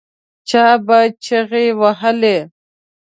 چا به چیغې وهلې.